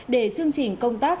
để chương trình công tác